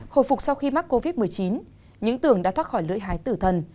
hồi phục sau khi mắc covid một mươi chín những tường đã thoát khỏi lưỡi hái tử thần